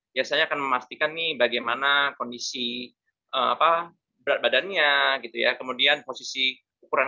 biasanya akan memastikan nih bagaimana kondisi berat badannya gitu ya kemudian posisi ukuran